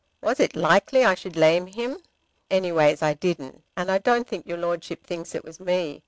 Was it likely I should lame him? Anyways I didn't, and I don't think your Lordship thinks it was me.